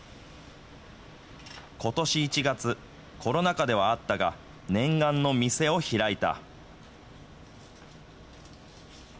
ことし１月、コロナ禍ではあったが、念願の店を開いた。